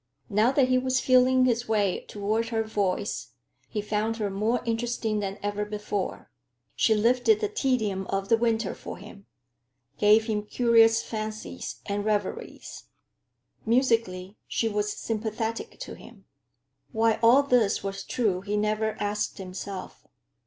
Now that he was feeling his way toward her voice, he found her more interesting than ever before. She lifted the tedium of the winter for him, gave him curious fancies and reveries. Musically, she was sympathetic to him. Why all this was true, he never asked himself.